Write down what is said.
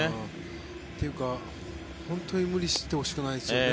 というか本当に無理してほしくないですよね。